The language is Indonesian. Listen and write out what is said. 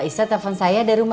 kita akan minjas dapet adonan